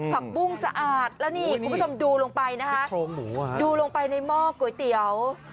ผักบุ้งสะอาดแล้วนี่คุณผู้ชมดูลงไปนะคะดูลงไปในหม้อก๋วยเตี๋ยว